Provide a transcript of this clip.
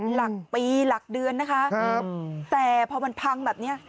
หลักปีหลักเดือนนะคะครับแต่พอมันพังแบบเนี้ย